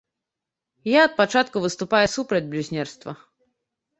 Я ад пачатку выступаю супраць блюзнерства.